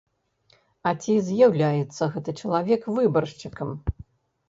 А ці з'яўляецца гэты чалавек выбаршчыкам?